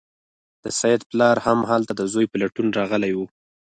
د سید پلار هم هلته د زوی په لټون راغلی و.